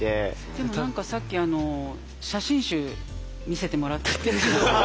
でも何かさっき写真集見せてもらったんだけど。